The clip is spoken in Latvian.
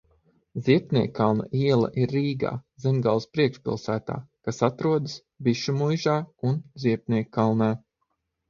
Ziepniekkalna iela ir Rīgā, Zemgales priekšpilsētā, kas atrodas Bišumuižā un Ziepniekkalnā.